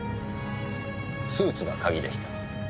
スーツが鍵でした。